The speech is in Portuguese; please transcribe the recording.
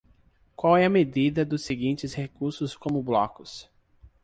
Qual é a medida dos seguintes recursos como blocos?